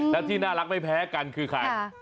และที่น่ารักไม่แพ้กันคือใคร